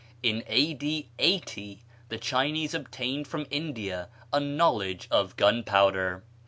In A.D. 80 the Chinese obtained from India a knowledge of gunpowder.